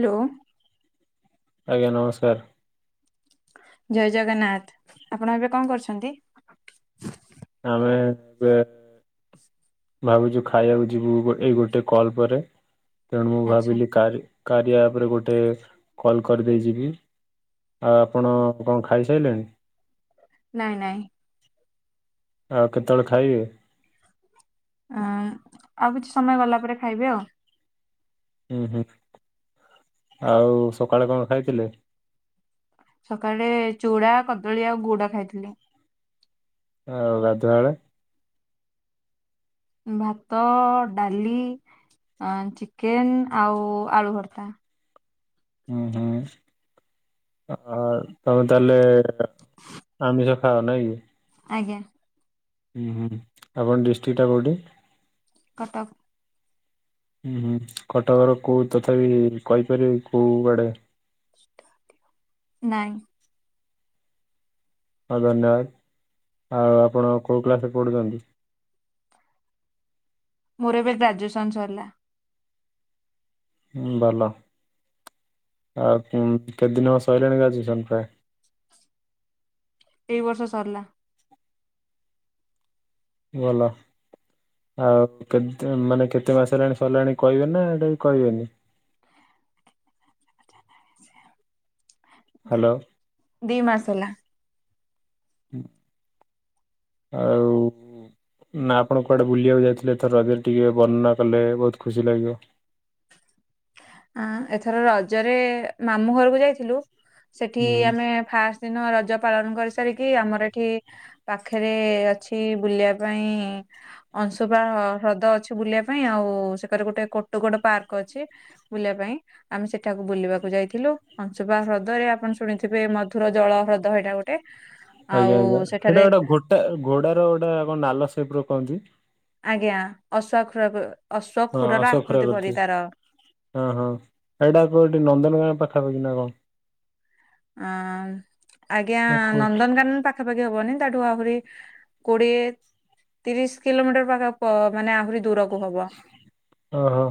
Hello ଆଜ୍ଞା ନମସ୍କାର। ଜୟ ଜଗନ୍ନାଥ ଆପଣ ଏବେ କଣ କରୁଛନ୍ତି? ଆମେ ଏବେ ଭାବୁଛୁ ଖାଇବାକୁ ଯିବୁ ଏଇ ଗୋଟେ କଲ ପରେ ତେଣୁ ମୁଁ ଆଚ୍ଛା ଭାବିଲି କାରି କାରିଆ ଆପରେ ଗୋଟେ କଲ୍ କରିଦେଇଯିବି। ଆଉ ଆପଣ କଣ ଖାଇସାରିଲେଣି? ନାଇଁ ନାଇଁ ଆଉ କେତେବେଳେ ଖାଇବେ ଅ ଆଉ କିଛି ସମୟ ଗଲା ପରେ ଖାଇବି ଆଉ। ହୁଁ ହୁଁ ଆଉ ସକାଳେ କଣ ଖାଇଥିଲେ? ସକାଳେ ଚୁଡା କଦଳୀ ଆଉ ଗୁଡ ଖାଇଥିଲି। ଆଉ ଗାଧୁଆଳ। ଭାତ ଡାଲି ଚିକେନ ଆଉ ଆଳୁ ଭର୍ତା। ହୁଁ ହୁଁ ଆ ତମେ ତାହେଲେ ଆମିଷ ହ ନହିକି ଆଜ୍ଞା ଉଁ ହୁଁ ଆପଣ ଡିଷ୍ଟ୍ରିକ ଟା କୋଉଠି? କଟକ ଉୁଁ ହୁଁ କଟକର କୋଉ ତଥାପି କହିପାରିବେ କୋଉ ଆଡେ? ନାଇଁ ହଁ ଧନ୍ୟବାଦ ଆଉ ଆପଣ କଉ କ୍ଲାସ୍ ରେ ପଢ଼ୁଛନ୍ତି? ମୋର ଏବେ ଗ୍ରାଜୁଏସନ ସରିଲା। ହଁ ଭଲ ଆଉ କେତେ ଦିନ ସରିଲଣି ଗ୍ରାଯୁଏସନ୍ ପ୍ରାୟ। ଏଇ ବର୍ଷ ସରିଲା। ଭଲ। ଆଉ କେ ମାନେ କେତେ ମାସ ହେଲାଣି ସରିଲାଣି କହିବେ ନା ଏଇଟା କହିବେନି? ସେ ହ୍ୟାଲୋ। ଆଉ। ନା ଆପଣ କୁଆଡେ ବୁଲିବାକୁ ଯାଇଥିଲେ ଏଥର ରଜରେ ଟିକେ ବର୍ଣ୍ଣନା କଲେ ବହୁତ ଖୁସି ଲାଗିବ। ଆଁ ଏଥର ରଜରେ ମାମୁଁ ଘରକୁ ଯାଇଥିଲୁ ସେଠି ହୁଁ ଆମେ ଫାଷ୍ଟ ଦିନ ରଜ ପାଳନ କରିସାରିକି ଆମର ଏଠି ପାଖରେ ଅଛି ବୁଲିବା ପାଇଁ ଅଂଶୁପା ହ୍ରଦ ଅଛି ବୁଲିବା ପାଇଁ ଆଉ ସେକାରେ ଗୋଟେ କୋଟୁଗୋଡ ପାର୍କ ଅଛି। ବୁଲିବା ପାଇଁ। ଆମେ ସେଠାକୁ ବୁଲିବାକୁ ଯାଇଥିଲୁ ହଂଶୁବା ହ୍ରଦରେ ଆପଣ ଶୁଣିଥିବେ ମଧୁର ଜଳ ହ୍ରଦ ଏଇଟା ଗୋଟେ। ଟେ ଆଉ ସେଠାରେ ଟ ଗୋଡ ର ଗୋଟା କଣ ନାଲ ସେପ ର କାନକି ଆଜ୍ଞା ଅଶ୍ଵଖ ଅସ୍ୱଖୁରର ଆକୃତି ପରି ତାର। ଓଁ ହଁ ଏଇଟା କଉଠି ନନ୍ଦନ କାନନ ପାଖାପାଖି ନା କଣ। ଅ ଆଜ୍ଞା ନା କୋଉଠି ନନ୍ଦନକାନନ ପା ପାଖାପାଖି ହବନି ତାଠୁ ଆହୁରି କୋଡିଏ ତିରିଶ କିଲୋମିଟର ପାଖା ମାନେ ଆହୁରି ଦୂରକୁ ହବ। ଓ ହୋ।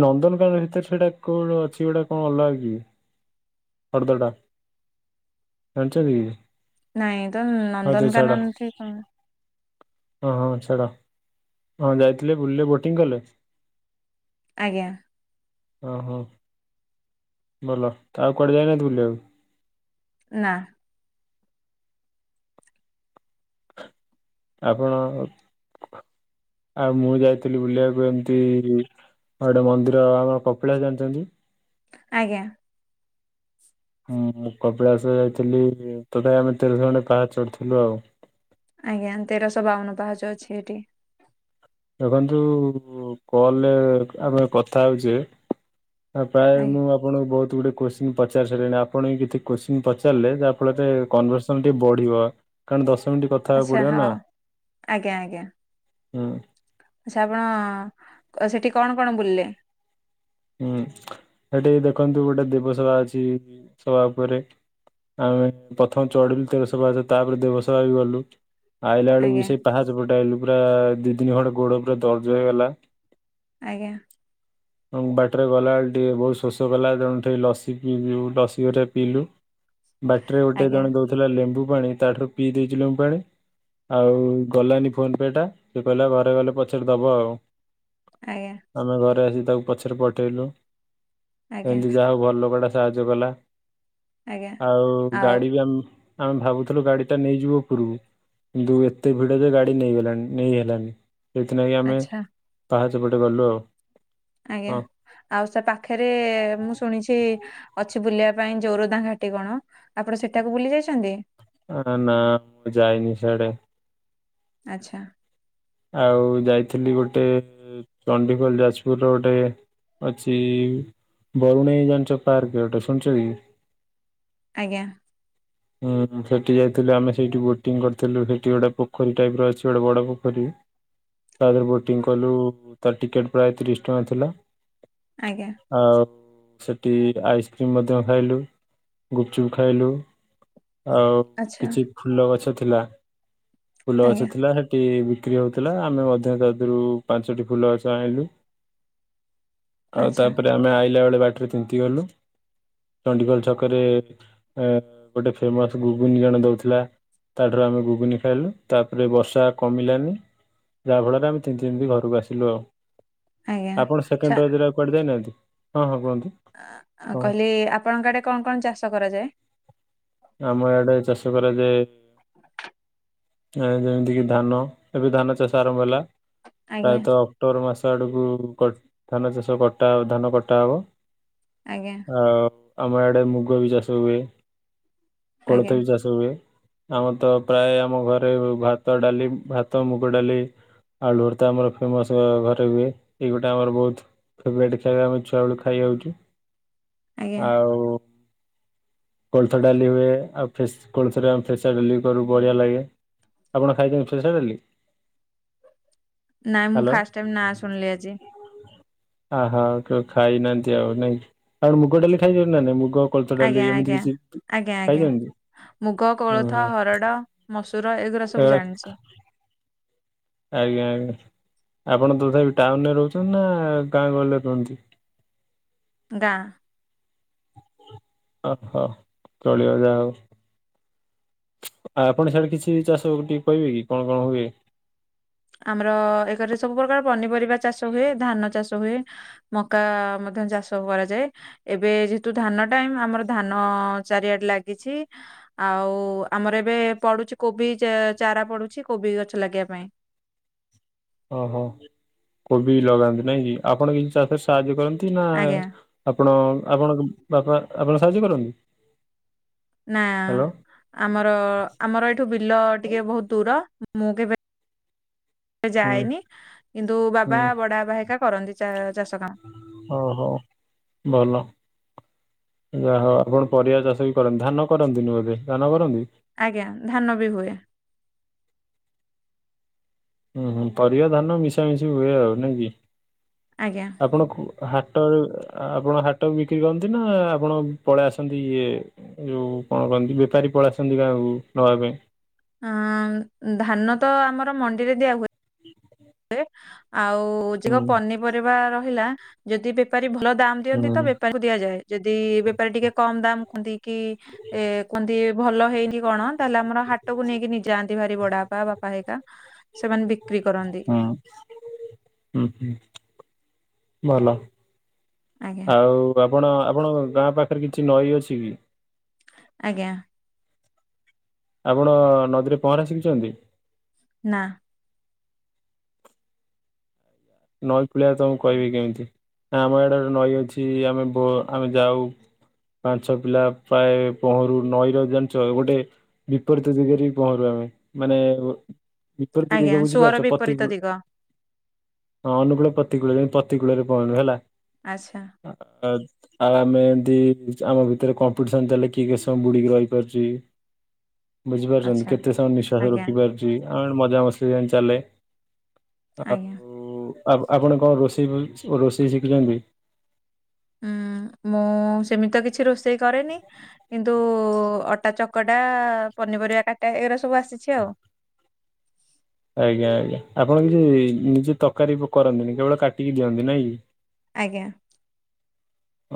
ନନ୍ଦନକାନ ଭିତରେ ସେଇଟା କୋଉଟ ଅଛି ଗଟା କଣ ଅଲଗା କି? ହ୍ରଦ ଟା ଜାଣିଛ କି? ନାଇଁ ତ ହଉ ସେ ଛାଡ ନନ୍ଦନକାନନ ଠିକ ହଁ ହଁ ଛାଡ଼ ଯାଇଥିଲେ ବୁଲିଲେ ବୋଟିଂ କଲେ? ଆଜ୍ଞା। ଓହୋ। ଭଲ ଆଉ କୁଆଡ଼େ ଯାଇନାହାନ୍ତି ବୁଲିବାକୁ ଆଉ? ନାଁ। ଆପଣ ଆଉ ମୁଁ ଯାଇଥିଲି ବୁଲିବାକୁ ଏମିତି ଆଉ ଗୋଟେ ମନ୍ଦିର ଆମର କପିଳା ଜାଣିଛନ୍ତି? ଆଜ୍ଞା। ହଁ ମୁଁ କପିଳାସ ଯାଇଥିଲି ତଥାପି ଆମେ ତେରଶଣେ ପାହା ଚଢିଥିଲୁ ଆଉ। ଆଜ୍ଞା ତେରଶହ ବାଉନ ପାହାଚ ଅଛି ଏଠି। ଦେଖନ୍ତୁ ଫୋନ୍ ରେ ଆମେ କଥା ହେଉଛେ ହ ପ୍ରାୟ ଆଜ୍ଞା ମୁଁ ଆପଣ ବହୁତ ଗୁଟେ କୋଶ୍ଚିନ୍ ପଚାରି ସାରିଲେଣି ଆପଣ କିଛି କୋଶ୍ଚିିନ ପଚାରିଲେ ଯା ଫଳରେ କଂଭାରେସନ ଟେ ବଢିବ। କାରଣ ଦଶ ମିନିଟ କଥା ହେବାକୁ ଆଚ୍ଛା ପଡିବ ହଁ ନା ହୁଁ। ଆଛା ଆପଣ ସେଠି କଣ କଣ ବୁଲିଲେ? ହୁଁ ସେଠି ଦେଖନ୍ତୁ ଗୋଟେ ଦେବସଭା ଅଛି ସଭା ଉପରେ ଆମେ ପ୍ରଥମେ ଚଢିଲୁ ତେରସହ ପାହାଚ ତାପରେ ଦେବସଭା ବି ଗଲୁ। ଆଇଲା ବେଳକୁ ଆଜ୍ଞା ବି ସେଇ ପାହାଚ ପଟ ଆଇଲୁ ପୁରା ଦି ଦିନି ଖଣ୍ଡେ ଗୋଡ ପୁରା ଦରଜ ହେଇଗଲା। ଆଜ୍ଞା। ଏବଂ ବାଟରେ ଗଲାବେଳେ ଟିକେ ବହୁତ ଶୋଷ କଲା ତେଣୁଠି ଲସି ପିଇୁ ଲସି ଘୋଟରେ ପିଇଲୁ। ବାଟରେ ଗୋଟେ ଆଜ୍ଞା ଜଣେ ଦଉଥିଲା ଲେମ୍ବୁ ପାଣି ତାଠାରୁ ପିଇ ଦେଇଛି ଲେମ୍ବୁ ପାଣି ଆଉ ଗଲାନି ଫୋନ ପେ ଟା ସେଏ କହିଲା ଘରେ ଗଲେ ପଛରେ ଦବ ଆଉ। ଆଜ୍ଞା। ଆମେ ଘରେ ଆସିିକି ତାକୁ ପଛରେ ପଠେଇଲୁ ଆଜ୍ଞା ଏମିତି ଯାହା ହଉ ଭଲ କଡା। ସାହାଯ୍ୟ କଲା ଆଜ୍ଞା ଆଉ ଗାଡି ବି ଆମ ଆମେ ଭାବୁଥିଲୁ ଗାଡି ଟା ନେଇଯିବୁ ଉପରକୁ। କିନ୍ତୁ ଏତେ ଭିଡରେ ଗାଡି ନେଇହେଲାଣି ନେଇ ହେଲଣିି। ସେଇଥିଲାଗି ଆମେ ଆଚ୍ଛା ପାହାଚପଟେ ଗଲୁ ଆଉ। ଆଜ୍ଞା ହଁ ଆଉ ସେ ପାଖରେ ମୁଁ ଶୁଣିଛି ଅଛି ବୁଲିବା ପାଇଁ ଜୋରଦା ଘାଟି କଣ ଆପଣ ସେଠାକୁ ବୁଲି ଯାଇଛନ୍ତି? ଆରେ ନାଁ ଯାଇନି ସିଆଡେ। ଆଚ୍ଛା। ଆଉ ଯାଇଥିଲି ଗୋଟେ ଚଣ୍ଡିଖୋଲ ଯାଜପୁର ର ଗୋଟେ ଅଛି ବରୁଣେଇ ଜାଣିଛ ପାର୍କ ଗୋଟେ ଶୁଣିଛ କି? ଆଜ୍ଞା। ହଁ ସେଠି ଯାଇଥିଲୁ ଆମେ ସେଇଠି ବୋଟିଂ କରିଥିଲୁ ସେଠି ଗୋଟେ ପୋଖରୀ ଟାଇପି ର ଅଛି ଗୋଟେ ବଡ ପୋଖରୀ। ତା ଦେହରେ ବୋଟିଂ କଲୁ ତାର ଟିକେଟ ପ୍ରାୟ ତିରିଶ ଟଙ୍କା ଥିଲା। ଆଜ୍ଞା। ଆଉ ସେଠି ଆଇସ୍କ୍ରିମ ମଧ୍ୟ ଖାଇଲୁ ଗୁପଚୁପ ଖାଇଲୁ। ଆଉ ଆଚ୍ଛା କିଛି ଫୁଲ ଗଛ ଥିଲା ଫୁଲ ଆଜ୍ଞା ଗଛ ଥିଲା ସେ ବିକ୍ରି ହଉଥିଲା ଆମେ ମଧ୍ୟ ତାଦେହରୁ ପାଞ୍ଚଟି ଫୁଲ ଗଛ ଆଣିଲୁ। ଆଉ ଆଚ୍ଛା ତାପରେ ଆମେ ଆଇଲା ବେଳେ ବା ତିନ୍ତି ଗଲୁ ଚଣ୍ଡିଖୋଲ ଛକରେ। ଗୋଟେ ଫେମସ୍ ଗୁଗୁନି ଜଣେ ଦୋଉଥିଲା। ତାଠାରୁ ଆମେ ଘୁଗୁନି ଖାଇଲୁ ତାପରେ ବର୍ଷା କମିଲାନି। ଯାହାଫଳରେ ଆମ ତିିନ୍ତି ତି ଘରକୁ ଆସିଲୁ ଆଉ। ଆଜ୍ଞା ଆପଣ ଆଚ୍ଛା ସେକେଣ୍ଡ୍ ରଜକୁ କୁଆଡେ ଯାଇନାହାନ୍ତି ହଁ ହଁ କୁହନ୍ତୁ। ହଁ କହିଲି ଆପଣଙ୍କର ଆଡ଼େ କଣ କଣ ଚାଷ କରାଯାଏ? ଆମ ଏଡେ ଚାଷ କରାଯୋଏ। ଏ ଯେମିତି କିି ଧାନ ଏବେ ଧାନ ଚାଷ ଆରମ୍ଭ ହେଲା ଆଜ୍ଞା ପ୍ରାୟତଃ ଅକ୍ଟୋବର ମାସ ଆଡ଼କୁ ଧାନ ଚାଷ କଟା ଧାନ କଟାହବ ଆଜ୍ଞା। ଆଉ ଆମ ଆଡେ ମୁଗ ବି ଚାଷ ହୁଏ। ଆଜ୍ଞା କଳତ ବି ଚା ହୁଏ ଆମର ତ ପ୍ରାୟ ଆମ ଘରେ ଭାତ, ଡାଲି, ଭାତ ମୁଗ ଡାଲି ଆଳୁର ତ ଆମର ଫେମସ୍ ଘରେ ହୁଏ ଏଇ ଗୋଟେ ଆମର ବୋହୁତ୍ ଫେଟ ଖାଇବା ଆମେ ଛୁଆ ବେଳୁ ଖାଇଆଉଛୁ ଆଜ୍ଞା ଆଉ କୋଳଥ ଡାଲି ହୁଏ ଆଉ ଫ କୋଳଥରେ ଆ ଫ୍ରେସର୍ ଡାଲି କରୁ ବଢିଆ ଲାଗେ। ଆପଣ ଖାଇଛନ୍ତି ଫେସ୍ ଡଲି? ନାଁ ମୁଁ ହ୍ୟାଲୋ ଫାଷ୍ଟ୍ ଟାଇମ୍ ନା ଶୁଣିଲି ଆଜି। ଆହୋ ଉ ଖାଇନାହାନ୍ତି ଆଉ ନାଇଁ କଣ ମୁଗ ଟଡାଲି ଖାଇଦଉ ନା ନାଇଁ ମୁଗ କୋଳଥ ଆଜ୍ଞା ଡାଲି ଏମିତି ଆଜ୍ଞା କିଛି ଆଜ୍ଞା ଆଜ୍ଞା ଖାଇଚନ୍ତି? ମୁଗ କୋଳଥ ହରଡ଼ ମସୁର ଏଗୁରା ସବୁ ଏଗୁଡା ଜାଣିଛି। ଆଜ୍ଞା ଆପଣ ତଥାପି ଟାଉନ୍ ରେ ରହୁଚନ୍ତି ନା ଗାଁ ଗହଳିରେ ରୁହଚନ୍ତି? ଗାଁ ଓହୋ ଚଳିବ ଯାହା ହୋଉ। ଆଉ ଆପଣ ସଆଡେ କିଛି ଚାଷ ଟିକେ କହିବେ କି କଣ କଣ ହୁଏ? ଆମର ଏ ଘରେ ସବୁ ପ୍ରକାର ପନିପରିବା ଚାଷ ହୁଏ ଧାନ ଚାଷ ହୁଏ। ମକା ମଧ୍ୟ ଚାଷ କରାଯାଏ। ଏବେ ଯେହେତୁ ଧାନ ଟାଇମ ଆମର ଧାନ ଚାରିଆଡେ ଲାଗିଛି। ଆଉ ଆମର ଏବେ ପଡୁଚି କୋବି ଚା ଚାରା ପଡୁଛି କୋବି ଗଛ ଲାଗିବା ପାଇଁ। ଓହୋ କୋବି ଲଗାନ୍ତି ନାଇଁ କି ଆପଣ କିଛି ଚାଷରେ ସାହାଯ୍ୟ କରନ୍ତି ନା ଆଜ୍ଞା ଆପଣ ଆପଣଙ୍କ ବାପା ଆପଣ ସାହାଯ୍ୟ କରନ୍ତି? ନା ହ୍ୟାଲୋ ଆମର ଆମର ଏଇଠୁ ବିଲ ଟିକେ ବହୁତ୍ ଦୂର ମୁଁ କେବେ ହୁଁ ଯାଏନି କିନ୍ତୁ ବାବା ହୁଁ ବଡ ବାବା ହିିରିକା କରନ୍ତି ଚାଷ କାମ। ଓ ହୋ ଭଲ। ଯା ହୋଉ ଆପଣ ପରିବା ଚାଷ ବି କରନ୍ତି ଧାନ କରନ୍ତିନି ବୋଧେ ଧାନ କରନ୍ତି? ଆଜ୍ଞା ଧାନ ବି ହୁଏ। ଉୁଁ ହୁଁ ପରିବା ଧାନ ମିଶାମିଶି ହୁଏ ଆଉ ନାଇ କି? ଆଜ୍ଞା। ଆପଣ ହାଟ ଆପଣ ହାଟ ବିକ୍ରି କରନ୍ତି ନା ଆପଣ ପଳେଇ ଆସନ୍ତି ଇଏ ଯୋଉ କଣ କରନ୍ତି ବେପାରୀ ପଳେଇ ଆସନ୍ତି ଗାଁ କୁ ନବା ପାଇଁ? ହଁ ଧାନ ତ ଆମର ମଣ୍ଡିରେ ଦିଆ ହୁଏ। [inaudible] ରେ, ଆଉ ହୁଁ ଜିକ ପନିପରିବା ରହିଲା ଯଦି ବେପାରୀ ଭଲ ଦାମ୍ ହୁଁ ଦିଅନ୍ତି ତ ହୁଁ। ବେପାରୀ କୁ ଦିଆଯାଏ। ଯଦି ବେପାରୀ ଟିକେ କମ୍ ଦାମ୍ ଦେଇକି ଏ କୁହନ୍ତି ଭଲ ହେଇନି କଣ ତାହେଲେ ଆମର ହାଟକୁ ନେଇକିନି ଯାଆନ୍ତି ଭାରି ବଡାପା ବାପା ହେଇକାା ସେମାନେ ବିକ୍ରି କରନ୍ତି। ହଁ ହଁ, ହୁଁ ଭଲ। ଆଜ୍ଞା ଆଉ ଆପଣ ଆପଣ ଗାଁ ପାଖରେ କିଛି ନଈ ଅଛି କି? ଆଜ୍ଞା। ଆପଣ ନଦୀରେ ପହଁରା ଶିଖିଛନ୍ତି? ନା। ନଈ କଳିଆ ତମକୁ କହିବେ କେମିତି। ଆମ ଆଡେ଼ ନଈ ଅଛି, ଆମେ ବ ଆମେ ଯାଉ। ପାଞ୍ଚ ପିଲା ପ୍ରାୟ ପହଁରୁ ନଈର ଜାଣିଛ ଗୋଟେ ବିପରୀତ ଦିଗରେ ବି ପହଁରୁ ଆମେ। ମାନେ ବିପରୀତ ଆଜ୍ଞା ଦିଗ ସୁଅର ବୁଝିପାରୁଛ, ପତି ବିପରୀତ ଦିଗ ହଁ ଅନୁକୂଳ ପ୍ରତିକୂଳ ପତିକୂଳରେ ପହଁରୁ ହେଲା। ଆଚ୍ଛା। [inaudible] ଆଉ ଆମେ ଏମତି ଆମ ଭିତରେ କମ୍ପିଟିସନ ଚାଲେ କିଏ କେତେ ସମୟ ବୁଡି଼କି ରହିପାରୁଛି। ବୁଝିପାରୁଛନ୍ତି, ଆଚ୍ଛା କେତେ ସମୟ ନିଃଶ୍ଵାସ ଆଜ୍ଞା ରଖି ପାରୁଛି ଆ ମଜା ମସ୍ତି ଏମିତି ଚାଲେ। ଆଉ ଆଜ୍ଞା। ଆ ଆପଣ ଆପଣ କଣ ରୋଷେଇ କ ରୋଷେଇ ଶିଖିଛନ୍ତି? ଉଁ ମୁଁ ସେମିତ କିଛି ରୋଷେଇ କରେନି, କିନ୍ତୁ ଅଟା ଚ କଟା ପନିପରିବା କାଟେ, ଏଉରା ସବୁ ଆସିଛି ଆଉ। ଆଜ୍ଞା ଆଜ୍ଞା। ଆପଣ କିଛି ନିଜେ ତରକାରୀ କରନ୍ତିନି କେବଳ କାଟିକି ଦିଅନ୍ତି ନାଇଁ? ଆଜ୍ଞା।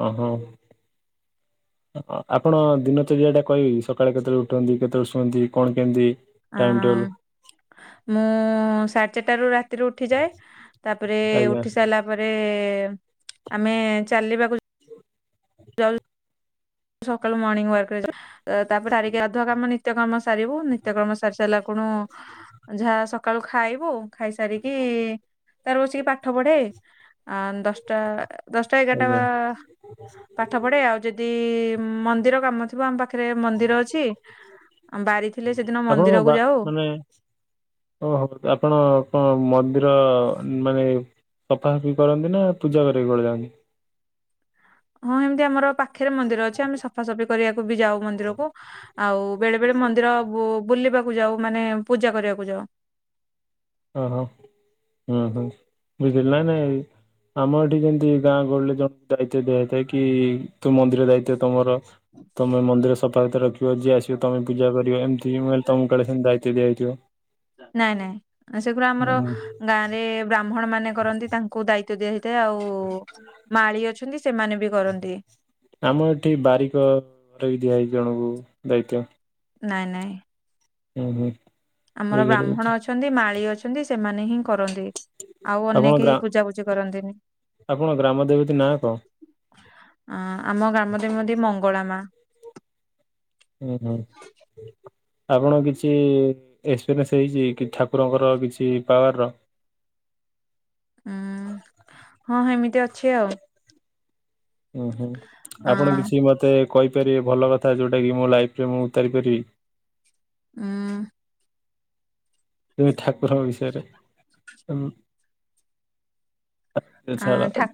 ଅହଁ। [inaudible] ଆପଣ ଦିନ ତୋଳିବା ଟା କହିବେ କି, ସକାଳେ କେତେବେଳେ ଉଠନ୍ତି? କେତେବେଳେ ଶୁଅନ୍ତି? କଣ କେମିତି? ଆ, ଟାଇମ ଟେବୁଲ ମୁଁ ସାଢେ଼ ଚାରିଟାରୁ ରା ରାତିରେ ଉଠିଯାଏ। ତାପରେ ଆଜ୍ଞା ଉଠି ସାରିଲା ପରେ, ଆମେ ଚାଲିବାକୁ ଯାଉ ସକାଳୁ ମର୍ଣ୍ଣିଂ ୱାକ୍ ରେ ଯାଏ। ତାପରେ ସାରିକି ଗାଧୁଆ କାମ ନି ନିତ୍ୟକର୍ମ ସାରିବୁ। ନିତ୍ୟକର୍ମ ସାରି ସାରିଲା କୁଣୁ ଯାହା ସକାଳୁ ଖାଇବୁ। ଖାଇସାରିକି ତାର ବସିକି ପାଠ ପଢେ। ଆ ଦଶଟା ଦଶଟା ଏଗାରଟା ଆଜ୍ଞା ପାଠ ପଢ଼େ। ଆଉ ଯଦି ଉଁ ମନ୍ଦିର କାମ ଥିବ, ଆମ ପାଖରେ ମନ୍ଦିର ଅଛି। ଆମ ବାରି ଥିଲେ ସେଦିନ ଆପଣଙ୍କ ମନ୍ଦିରକୁ ଯାଉ। [inaudible] ଓହୋ। ଆପଣ କଣ ମନ୍ଦିର ମାନେ ସଫାସଫି କରନ୍ତି ନା ପୂଜା କରିବାକୁ କୁଆଡ଼େ ଯାଆନ୍ତି? ହଁ ଏମିତି ଆମର ପାଖରେ ମନ୍ଦିର ଅଛି। ଆମେ ସ ସଫାସଫି କରିବାକୁ ବି ଯାଉ ମନ୍ଦିରକୁ। ଆଉ ବେଳେ, ବେଳେ ମନ୍ଦିର ବୋ ବୁଲିବାକୁ ଯାଉ, ମାନେ ପୂଜା କରିବାକୁ ଯାଉ। ଓହୋ। ଉଁ ହୁଁ ବୁଝିଲି ନାଇଁ ନାଇଁ। ଆମ ଏଠି ଯେମିତି ଗାଁ ଗହଳି ଜଣେ ଦାୟିତ୍ୱ ଦିଆଯାଇଥାଏ, କି ତୁ ମନ୍ଦିର ଦାୟିତ୍ଵ ତମର ତମେ ମନ୍ଦିର ସଫା ସୁତର ରଖିବ। ଯିଏ ଆସିବ ତମେ ପୂଜା କରିବ। ଏମିତି ମୁଁ ଭାବିଲି ତମକୁ କାଳେ ଏମିତି ଦାୟିତ୍ୱ ଦିଆହେଇଥିବ। ନାଇଁ ନାଇଁ ସେଗୁରା ଆମର ହୁଁ ହୁଁ ଗାଁ ରେ ବ୍ରାହ୍ମଣ ମାନେ କରନ୍ତି ତାଙ୍କୁ ଦାୟିତ୍ୱ ଦିଆ ହେଇଥାଏ ଆଉ। ହୁଂ ମାଳି ଅଛନ୍ତି ସେମାନେ ବି କରନ୍ତି। ଆମ ଏଠି ବାରିକ ଦିଆହେଇଛି ଜଣଙ୍କୁ ଦାୟିତ୍ୱ। ନାଇଁ ନାଇଁ ହୁଁ ହୁଁ। ଆମର ବୁଝିଲି ବ୍ରାହ୍ମଣ ବୁଝିଲି ଅଛନ୍ତି ମାଳି ଅଛନ୍ତି ସେମାନେ ହିଁ କରନ୍ତି। ଆଉ ଅନ୍ୟ ଆପଣ କେହି ଗ୍ରା ପୂଜାପୁଜି କରନ୍ତିନି। ଆପଣ ଗ୍ରାମ ଦେବତୀ ନାଁ କଣ? ଆଁ ଆମ ଗ୍ରାମ ଦେବତୀ ମଙ୍ଗଳା ମା। ହୁଁ ହୁଁ ଆପଣ କିଛି ଏକ୍ସପିରିଏନ୍ସ ହେଇଛି କି ଠାକୁରଙ୍କର କିଛି ପାୱାର ର। ହୁଁ ହଁ ହେମିତି ଅଛି ଆଉ। ହୁଁ ହୁଁ ଅ ଆପଣ କିଛି ମତେ କହିପାରିବେ ଭଲ କଥା ଯୋଉଟା କିି ମୋ ଲାଇଫରେ ମୁଁ ଉତାରି ପାରିବି। ଉମଂ ଏଇ ଠାକୁରଙ୍କ ବିଷୟରେ। ଅ ଛାଡ ଠାକୁ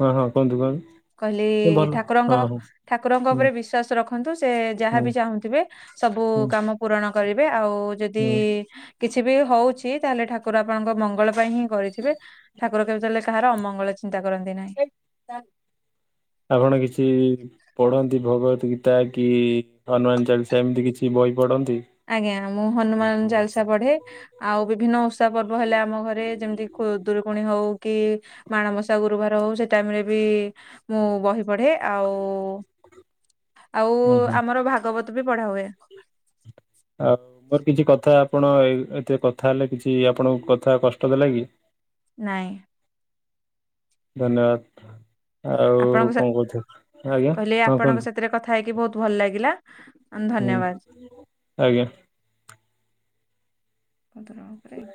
ହଁ ହଁ କୁହନ୍ତୁ କୁହନ୍ତୁ। କହିଲି ଭଲ ଠାକୁରଙ୍କ ହଁ ହଁ ଠାକୁରଙ୍କ ହୁଁ। ଉପରେ ବିଶ୍ୱାସ ରଖନ୍ତୁ ସେ ଯାହା ହୁଁ ବିି ଚାହୁଁଥିବେ ସବୁ ହୁଁ କାମ ପୂରଣ କରିବେ ଆଉ ଯଦି ହୁଁ କିଛି ବି ହଉଛି ତାହେଲେ ଠାକୁର ଆପଣଙ୍କ ମଙ୍ଗଳ ପାଇଁ ହିଁ କରିଥିବେ। ଠାକୁର କେବେ ତାହେଲେ କାହାର ଅମଙ୍ଗଳ ଚିନ୍ତା କରନ୍ତି ନାହିଁ। ଆପଣ କିଛି ପଢନ୍ତି ଭଗବତ ଗୀତା କି ହନୁମାନ ଚାଲିଶା ଏମିତି କିଛି ବହି ପଢନ୍ତି। ଆଜ୍ଞା ମୁଁ ହନୁମାନ ଚାଲିସା ପଢେ ଆଉ ବିଭିନ୍ନ ଓଷା ପର୍ବ ହେଲା ଆମ ଘରେ ଯେମିତି ଖୁଦୁରୁକୁଣି ହଉ କି ମାଣବସା ଗୁରୁବାର ହଉ ସେ ଟାଇମ ରେ ବି ମୁଁ ବହି ପଢେ ଆଉ ଆଉ ଉଁ ହୁଁ ଆମର ଭାଗବତ ବି ପଢା ହୁଏ। ଆଉ ମୋର କିଛି କଥା ଆପଣ ଏତେ କଥା ହେଲେ କିଛି ଆପଣଙ୍କୁ କଥା କଷ୍ଟ ଦେଲା କି? ନାଇଁ ଧନ୍ୟବାଦ ଆଉ ଆପଣଙ୍କ ସହିତ କଣ କହୁଥିଲେ? କହିଲେ ଆପଣଙ୍କ ସାଥିରେ କଥା ହେଇକି ବହୁତ ଭଲ ଲାଗିଲା ଉଁ ହୁଁ ଧନ୍ୟବାଦ। ଆଜ୍ଞା [inaudible]